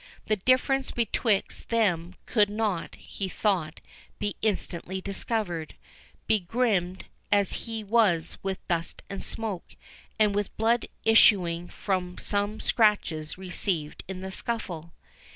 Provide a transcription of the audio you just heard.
The difference betwixt them could not, he thought, be instantly discovered, begrimed as he was with dust and smoke, and with blood issuing from some scratches received in the scuffle.